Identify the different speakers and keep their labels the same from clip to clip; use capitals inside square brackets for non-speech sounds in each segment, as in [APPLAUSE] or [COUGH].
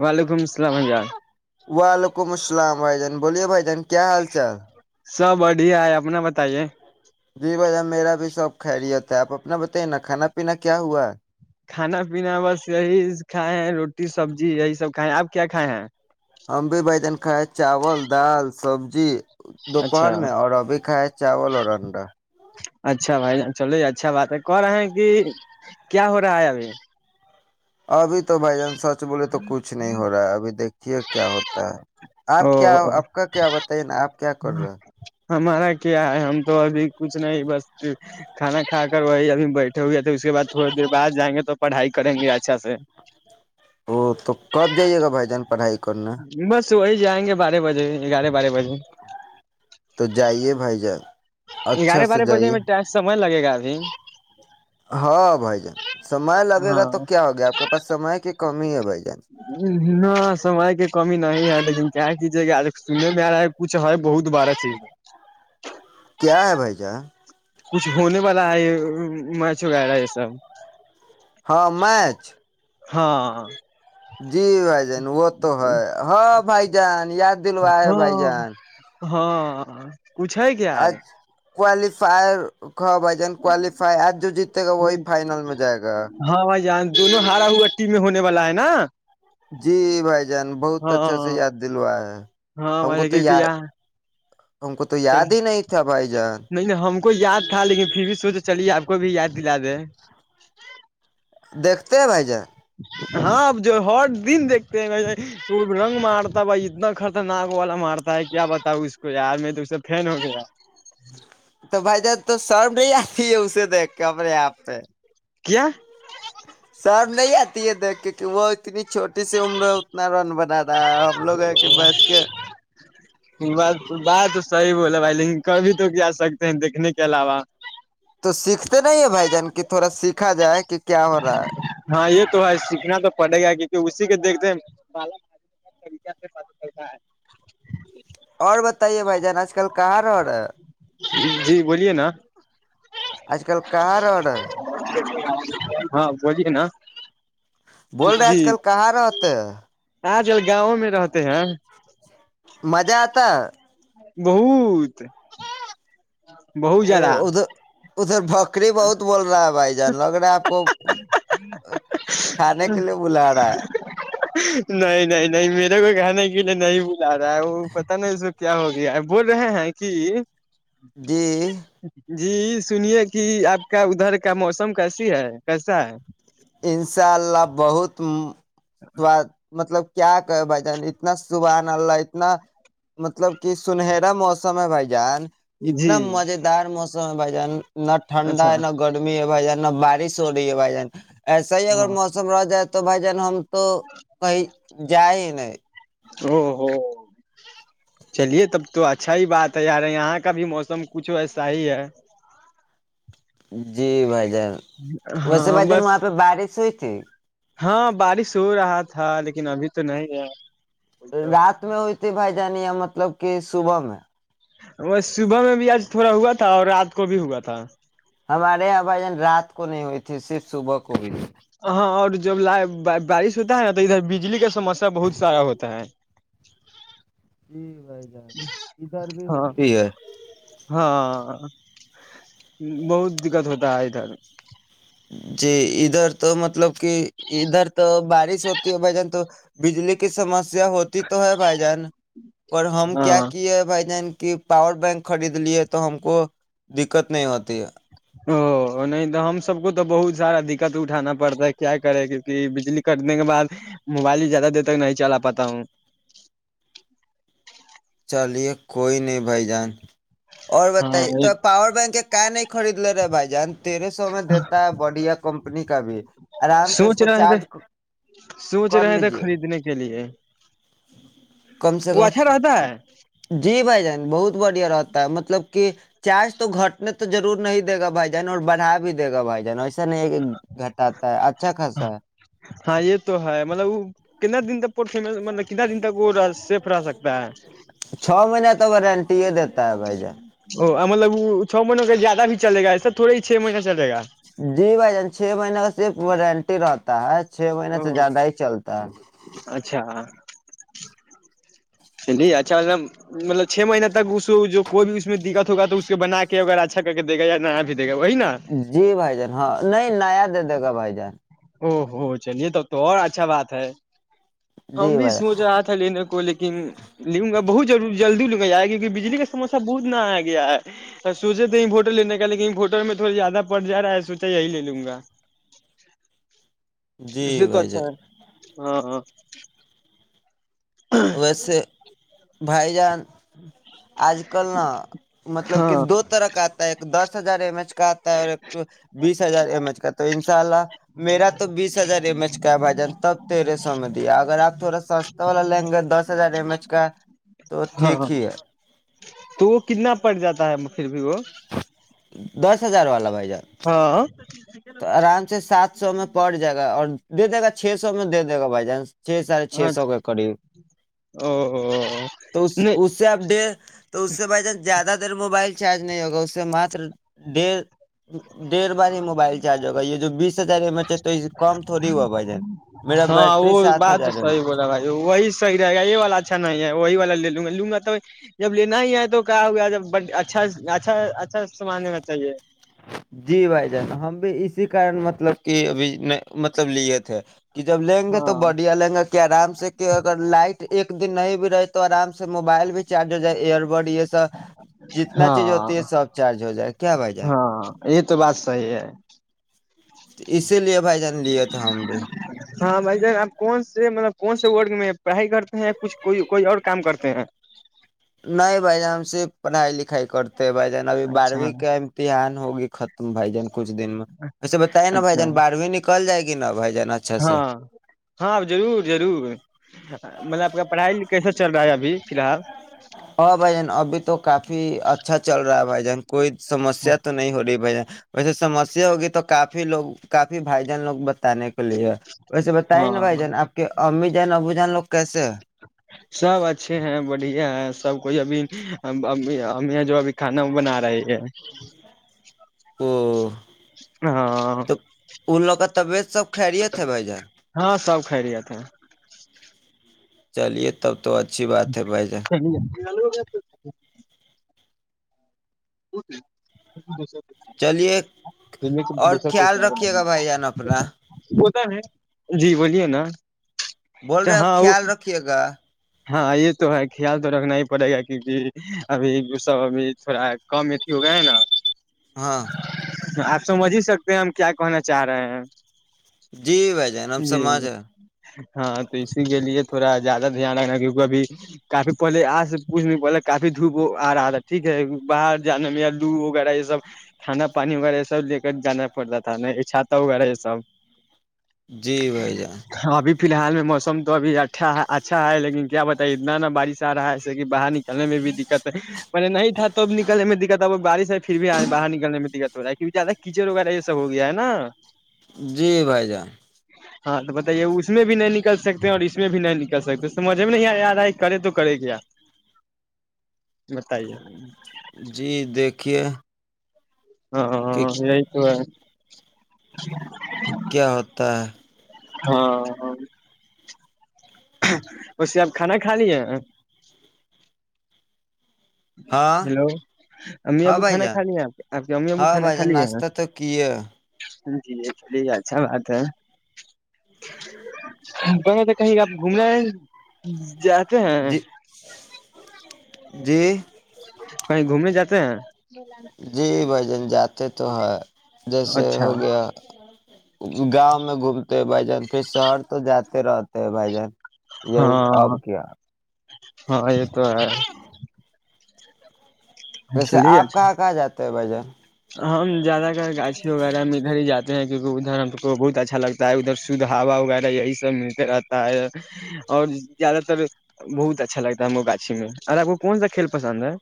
Speaker 1: وعلیکم السلام ج ہاں [INAUDIBLE]
Speaker 2: وعلیکم السلام بھائی جان بوولے بھائی جان کیا حال چال
Speaker 1: سب بڑھیا ہے اپنا بتائیے
Speaker 2: جی بھائییا میرا بھی سب کھا رہی تھا آپ اپنا بتائیے نا کھانا پینا کیا ہوا
Speaker 1: کھانا پینا بس یہی کھائے ہیں روٹی سبزی یہی سب کھائے ہیں آپ کیا کھائے ہیں
Speaker 2: ہم بھی بائی جان کھ چاول دال سبزی
Speaker 1: اچھا
Speaker 2: دوپہر میں اور ابھی کھائے چاول اور انڈا
Speaker 1: اچھا بھائی چلو یہ اچھا بات ہے کہ رہے ہیں کہ کیا ہو رہا ہے ابھی
Speaker 2: ابھی تو بھ جان سچ بولے تو کچھ نہیں ہو رہا ہے ابھی دیکھیے کیا ہوتا ہے آپ کیا
Speaker 1: او
Speaker 2: آپ کا کیا بتائیے نا آپ کیا کر رہا
Speaker 1: ہمارا کیا ہے ہم تو ابھی کچھ نہیں بس کھانا کھا کر وہی ابھی بیٹھے ہوئے تھے اس کے بعد تھوڑی دیر بعد جائیں گے تو پڑھائی کریں گے اچھا سے
Speaker 2: وہ تو کب جائیے گا بھائی جان پڑھائی کا
Speaker 1: بس ص وہی جائیں گے بارہ بجے گیارہ بارہ بجے
Speaker 2: تو جائیے بھائی جان اچھا
Speaker 1: گارے
Speaker 2: سے
Speaker 1: بارے بجے
Speaker 2: جائیے
Speaker 1: میں سمج لگے گا ابھی
Speaker 2: ہاں بھائی جان سمے لگے گا
Speaker 1: ہاں
Speaker 2: تو کیا ہو گیا آپ کے پاس سمے کے
Speaker 1: نہ سمئے کے کمی نہیں ہے لیکن کیا کیجیے گ سنے میں آ رہا ہے کچھ ہے بہت بارا چیز
Speaker 2: کیا ہے بھائی جہ
Speaker 1: کچھ ہونے والا ہے میچ وغیرہ یہ سب
Speaker 2: ہاں میچ
Speaker 1: ہاںاں
Speaker 2: جی بھائی جان وہ تو ہے ہاں بھائی جان یاد دلو ہے بھائی
Speaker 1: ہاں
Speaker 2: جان
Speaker 1: ہاں کچھ ہے کیا آار
Speaker 2: آج کوالیفائر بھائی جان کوالیفائی آج جو جیتے گا وہی فائنل میں جائے گا
Speaker 1: ہاں بھائی جان دونوں ہارا ہوا ٹی میں ہونے والا ہے نا [INAUDIBLE]
Speaker 2: جی بھائی جان بہت اچھا سے
Speaker 1: ہاں
Speaker 2: یاد دلوا ہے ہم کو تو یا
Speaker 1: چلی نہیں نہیں ہم کو یاد تھا لیکن پھر بھی سوچ چلیے آپ کو بھی یاد لاد ہے [INAUDIBLE]
Speaker 2: دیکھتے بھائی جا
Speaker 1: ہاں اب جو ہر دن دیکتے ہیں ب رنگ مارتا بھائی اتنا خرچہ ناگ والا مارتا ہے کیا بتاؤ اس کو یار میں تو اس سے فین ہو گیا
Speaker 2: تو بھائی جان تو سرب نہیں آتی ہے اسے تو کپڑے آپ پہ
Speaker 1: کیا
Speaker 2: نہیں آتی ہے دیکھ کے کہ وہ اتنی چھوٹی [INAUDIBLE] سے عمرہ اتناار بدار [INAUDIBLE] ہم لوگ ہیں کہ بیٹھ کے
Speaker 1: تو صحیح بولا بھائی لیکن کبھی تو کیا سکتے ہیں [INAUDIBLE] دیکھنے کے علاوہ
Speaker 2: تو سیکھتے نہیں ہے بھائی جان کی تھوڑا سیکھا جائے کہ کیا ہو رہا ہے
Speaker 1: ہاں یہ تو سیکھنا تو پڑے گا کیونکہ اسی کے دیکھتے بالک ب طریقہ سے پ چتا ہے [INAUDIBLE]
Speaker 2: اور بتائیے بھائی جان آج کل کہاں رہ رہا ہے
Speaker 1: جی بولیے نا
Speaker 2: آج کل کہاں [INAUDIBLE] ر آڈ ہے
Speaker 1: ہاں بولی ہے نا [INAUDIBLE]
Speaker 2: بول رہے ہیں آج کل کہاں رہتے ہے
Speaker 1: آ جل گاؤوں میں رہتے ہیں
Speaker 2: مزہ آتا
Speaker 1: بہت [INAUDIBLE] بہت زیادہ
Speaker 2: ادھر ادھر بکری بہت بول رہا بائی جان لوگ رہا ہے آپ کو [INAUDIBLE] کھانے کے لیے بلا رہا ہے
Speaker 1: نہیں نہیں نہیں میرے کو کہاان کہ لے نہیں وہ [INAUDIBLE] جا رہا ہے وہ پتا نا اس وق کیا ہو گیا ہے بول رہے ہیں کہ
Speaker 2: جی
Speaker 1: جی سنیے کہ آپ کا ادھر کا موسم کیسی ہے کیسا ہے
Speaker 2: ان شاء اللہ بہت سواد مطلب کیا کہ بھ جان اتنا سبحان اللہا اتنا مطلب کہ سنہرا موسم ہے بھائی جان
Speaker 1: ہے جی
Speaker 2: اتنا مز دار م س بھ جان نہ ٹھنڈا ہے
Speaker 1: اچھا
Speaker 2: نہ گرمی ہے بھائی جان نہ بارش ہو رہی ہے بائی جان ایسا ہی اگر
Speaker 1: ہاں
Speaker 2: موسم رہ جائے تو تو بائی جان ہم تو کوئی [UNINTELLIGIBLE]
Speaker 1: او ہو چلیے تب تو اچھا ہی بات ہے یار یہاں کا بھی موسم کچھ ویسا ہی ہے
Speaker 2: جی بھائی جان ویسے
Speaker 1: ہاں
Speaker 2: بھائی جان
Speaker 1: بس
Speaker 2: وہاں پہ بارش ہوئی [UNINTELLIGIBLE]
Speaker 1: ہاں بارش ہو رہا تھا تھا لیکن ابھی تو نہیں ہے
Speaker 2: رات میں ہوئی تھی بھائی جانی ہے مطلب کہ صبح میں
Speaker 1: وہ صبح میں بھی آج تھوڑا ہوا تھا اور رات کو بھی ہوا تھا
Speaker 2: ہمارے یہاں بھجن رات کو نہیں ہوئے تھے صرف صبح کو ہوئی تھی
Speaker 1: ہ ہاں اور جب ل بارش ہوتا ہے نا تو ادھر بجلی کا سمسیا بہت سارا ہوتا ہے
Speaker 2: جی بھائی جان ادھر بھی
Speaker 1: ہاں
Speaker 2: ہوتی ہے
Speaker 1: ہاں بہت دقت ہوتا ہے ادھر
Speaker 2: جی ادھر تو مطلب کہ ادھر تو بارش ہوتی ہے بھائی جان تو بجلی کی سمس ہوتی تو ہے بھائی جان پر ہم
Speaker 1: ہاں
Speaker 2: کیا کیے بھائی جان کہ پاور بینک خرید لی ہے تو ہم کو دقت نہیں ہوتی ہے
Speaker 1: او نہیں تو ہم سب کو تو بہت سارا دقت اٹھانا پڑتا ہے کیا کرے کیونکہ بجلی کٹنے کے بعد موبائل ہی زیادہ دیر تک نہیں چلا پاتا ہوں
Speaker 2: چلیے کوئی نہیں بھائی جان اور
Speaker 1: ہاں
Speaker 2: بتائیے تو پاور بینک ایک [UNINTELLIGIBLE] خرید لے رہے بھائی جان تیرہ سو میں دیتا ہے بڈیا کمپنی کا بھی آرام سے اس
Speaker 1: سوچ
Speaker 2: کو
Speaker 1: رہے تھے
Speaker 2: چارج
Speaker 1: سوچ
Speaker 2: کر
Speaker 1: رہے تھے
Speaker 2: لیجے
Speaker 1: خریدنے کے لیے
Speaker 2: کم سے
Speaker 1: وہ
Speaker 2: کم
Speaker 1: اچھا رہتا ہے
Speaker 2: جی بھائی جان بہت بڑھیا رہتا مطلب کہ چارج تو گھٹنے تو رور نہیں دے گا بھائی جان اور بڑھا بھی دے گا بھائی جان ایسا نہیں گٹاتا ہے اھ
Speaker 1: ہاں یہ تو ہے مطلب وہ کتنا دن تک پ مطلب کتنا دن تک وہ سیف رہ سکتا ہے
Speaker 2: چھ مہینہ تو وارنٹی ہی دیتا ہے بھائی جان
Speaker 1: ا مطلب وہ چو مہینوں کا زیادہ بھی چلے گا اسسر تھوڑ ہی چھ مہینہ چلے گا
Speaker 2: جی بھائی جان چھ مہینے کا صرف وہ رینٹی رہتا ہے چھ مہینہ سے
Speaker 1: او
Speaker 2: زیادہ ہی چلتا ہے
Speaker 1: نہیں اچھا مطلب مطلب چھ مہینہ تک اس کو جو کوئی بھی اس میں دقت ہوگا تو اس کے بنا کے اگر اچھا کر کے دے گا یا دے گا وہی نا
Speaker 2: جی بھائی جان ہاں نہیں نیا دے دے گا بائی جان جان
Speaker 1: او ہو چلیے توب تو اور اچھا بات ہے ہم
Speaker 2: جی
Speaker 1: بھی
Speaker 2: بھائی
Speaker 1: سوچ رہا تھا لینے کو لیکن لوں گا بہت جلدی لے کے جائے گی بجلی کا سموسہ گود نہ اگیا ہے سوچے تو امپورٹڈ لینے کا لیکن فوٹو میں تھوڑا زیادہ پڑ جا رہا ہے سوچا یہی لے لوں گا
Speaker 2: جی
Speaker 1: اس سے تو
Speaker 2: بھائی
Speaker 1: اچھا
Speaker 2: جان
Speaker 1: ہے ہاں ہاں
Speaker 2: ویسے بھائی جان اج کل مطلب کہ
Speaker 1: ہاں
Speaker 2: دو طرح اتا ہے ایک دس ب ہزار ایم ایچ کرتا ہو انشاءاللہ میرا تو باس ہزار ایم ایچ کا بھائی جان تب تیرے سامنے دیا اگر اپ تھوڑا سا ہستا والا لی دس ہزار ایم ایچ کا تو
Speaker 1: ہاں
Speaker 2: ٹھیک
Speaker 1: ہاں
Speaker 2: ہی ہے
Speaker 1: تو کتنا پڑ جاتا ہے وہ
Speaker 2: دس ہزار والا بھائی جان
Speaker 1: ہاں
Speaker 2: تو اران سات سو میں پاڈ جگہ اور جو دے گا چھ سو میں دے دے گا بھائی جان چھ ساڑھےچ سو
Speaker 1: اچھا
Speaker 2: کا کڑی
Speaker 1: او
Speaker 2: تو
Speaker 1: نہیں
Speaker 2: اس سے اپڈیٹ تو اس سے بھائی جان زیادہ موبائل چارج نہیں ہوگا اس سے مات دیر بعد یہ موبائل چارج ہوگا یہ جو باس [INAUDIBLE]
Speaker 1: ہاں
Speaker 2: بیٹری
Speaker 1: وہ
Speaker 2: سات
Speaker 1: بات
Speaker 2: ہزار ایم ایچ
Speaker 1: وہی صحیح رہے گا یہ والا اچھا نہیں ہے وہی والا لے لوں گا جب لینا ہی ہے تو اچھا اچھا استعمال ہونا چاہیے
Speaker 2: جی بھائی جان ہم بھی اسی کا مطلب کہ مطلب لیے تھے
Speaker 1: ہاں ہاں
Speaker 2: [UNINTELLIGIBLE] [UNINTELLIGIBLE] [UNINTELLIGIBLE]
Speaker 1: [UNINTELLIGIBLE]
Speaker 2: [UNINTELLIGIBLE] لیے تھے ہم بھی
Speaker 1: [UNINTELLIGIBLE]
Speaker 2: [UNINTELLIGIBLE] [UNINTELLIGIBLE] [UNINTELLIGIBLE]
Speaker 1: [UNINTELLIGIBLE]
Speaker 2: [UNINTELLIGIBLE] نہ بائی
Speaker 1: اچھا اچھا
Speaker 2: جائے اچھا سے
Speaker 1: ہاں ہاں ضرور ضرور مطلب آپ کا پڑھائی کیسا چل رہا ہے ابھی فی الحال
Speaker 2: ہاں بھائی جان ابھی تو کافی اچھا چل رہا ہے بھائی جان کوئی سمسیا تو نہیں ہو رہی بھائی جان ویسے سمسیا ہوگی تو کافی لوگ کافی بھائی جان لوگ ب آنے کے لیے ویسے بتائیے نا بھائی
Speaker 1: ہاں
Speaker 2: جان آپ کی امی جو جین ابدان لگ
Speaker 1: سب اچھے ہیں بڑھیا سب کوئی ابھی ہم یہ جو آاب
Speaker 2: او
Speaker 1: ہاں
Speaker 2: تو ان لوگ کا طبیعت سب خریت ہےے بھ جان
Speaker 1: خرییا تھا ہیں
Speaker 2: چلیے تب تو اچھی بات ہے بھائی جان
Speaker 1: لو ج
Speaker 2: چلیے اور خیال رکھیے گا بھائی جان اپنا
Speaker 1: ہے جی بولیے نا
Speaker 2: بول رہے آپ
Speaker 1: ہاں
Speaker 2: خیال رکھیے گا
Speaker 1: ہاں یہ تو ہے خیال تو رکھنا ہی پڑے گا کیونکہ ابھی گ سا اب تھوڑا کم اھی ہو گیا ہے نا
Speaker 2: ہاں
Speaker 1: آپ سمجھ ہی سکتے ہیں ہم کیا کہنا چاہ رہے ہیں
Speaker 2: جی بھ جان ہم
Speaker 1: جی
Speaker 2: سماج ہے
Speaker 1: ہاں تو اسی کے لیے تھوڑا زیادہ دھیان رکھنا کیونکہ ابھی کافی پہلے آج پوچھ نہیں پ کافی دھوپ آ رہا تھا ٹھیک ہے باہر جانے میں یا لو وغیرہ یہ سب کھانا پانی وغیرہ یہ سب لے کر جانا پڑتا تھا نا چھاتا وغیرہ یہ سب
Speaker 2: جی بھائی جان
Speaker 1: ابھی فی الحال میں موسم تو ابھی اھا اچھا ہے لیکن کیا بتائیے اتنا نا بارش آ رہا ہے ایسے کہ باہر نکلنے میں بھی دقت ہے میں نہیں تھا تب نکلنے میں دقت ہے وہ بارش ہے پھر بھی آئے باہر نکنے میں دقت توڑا کہ زیادہ کچڑ وغیرہ یہ سب ہو گیا ہے نا
Speaker 2: جی بھائی جان
Speaker 1: ہاں تو بتائیے اس میں بھی نہیں نکل سکتے اور اس میں بھی نہیں نکل سکتے سمجھ میں نہیں آ آ رہا ہے کرے تو کرے کیا بتائیے
Speaker 2: جی دیکھیے کہ
Speaker 1: ہاں یہئی تو ہے جچ [INAUDIBLE]
Speaker 2: کیا ہوتا ہے
Speaker 1: ہاں ہاں اسے آپ کھانا کھا لیے
Speaker 2: ہاں
Speaker 1: ہلو اممی
Speaker 2: ہاں
Speaker 1: ابو
Speaker 2: بھائی
Speaker 1: کھانا
Speaker 2: جان
Speaker 1: کھا ل ہیں آپ آپ کے امی ابو
Speaker 2: ہاں
Speaker 1: کھانا
Speaker 2: بھائی
Speaker 1: کھا
Speaker 2: جان
Speaker 1: لی
Speaker 2: ناشتہ تو کیے
Speaker 1: جی چلیے اچھا بات ہے کہ تو کہیں آپ گھومنا ج
Speaker 2: جی جی ج [INAUDIBLE]
Speaker 1: کہیں گھومنے جاتے ہیں
Speaker 2: جی بھ جن جاتے تو ہیں جیسے
Speaker 1: اچھا
Speaker 2: ہو گیا گاؤں میں گھومتے ہیں بھائی جان پھر شہر تو جاتے رہتے ہیں بھائی جان یہی
Speaker 1: ہاں
Speaker 2: اب کیا
Speaker 1: ہاں یہ تو ہے
Speaker 2: ویسے
Speaker 1: چلیے
Speaker 2: آپ
Speaker 1: اچھا
Speaker 2: کہاں کہاں جاتے ت بجے [UNINTELLIGIBLE]
Speaker 1: ہم زیادہ تر گاچھی وغیرہ میں ادھر ہی جاتے ہیں کیونکہ ادھر ہم کو بہت اچھا لگتا ہے ادھر شدھ ہا وغیرہ یہی سب ملتے رہتا ہے اور زیادہ تر بہت اچھا لگتا ہے ہم کو گاچھی میں اور آپ کو کون سا کھیل پسند ہے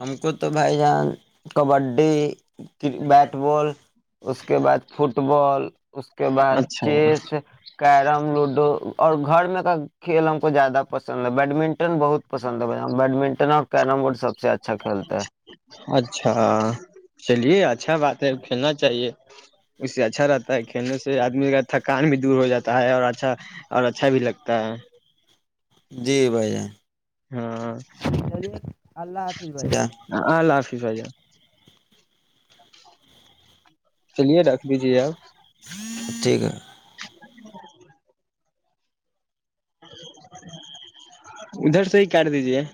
Speaker 2: ہم کو تو بھائی جان کبڈی بیٹ بال اس کے بعد فٹ بال اس کے بعد
Speaker 1: اچھا
Speaker 2: چیس کیرم لوڈو اور گھر میں کا کھیل ہم کو زیادہ پسند ہے بیڈمنٹن بہت پسند ہے بیڈمنٹن تنا کہ نام مورڈ سب سے اچھا کھیلتے
Speaker 1: اچھا چلیے اچھا بات ہے کھیلنا چاہیے اس سے اچھا رہتا ہے کھیلنے سے آدمی کا تھکان بھی دور ہو جاتا ہے اور اچھا اور اچھا بھی لگتا ہے
Speaker 2: جی بھائی ہے
Speaker 1: ہاں
Speaker 2: اللہ حافظ بھائی جان
Speaker 1: ال اللہ حافظ بائیا [INAUDIBLE] چلیے رکھ دیجے آپ
Speaker 2: ٹھیک ہے
Speaker 1: [INAUDIBLE] ادھر سے ہی کاٹ دیجیے [INAUDIBLE]